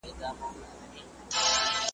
له آدمه تر دې دمه ټول پیران یو .